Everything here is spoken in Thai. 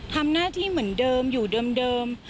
ทำหน้าที่เหมือนเดิมอยู่เดิม